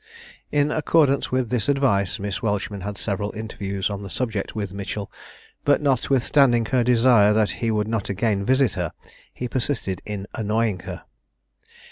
In accordance with this advice, Miss Welchman had several interviews on the subject with Mitchell; but notwithstanding her desire that he would not again visit her, he persisted in annoying her.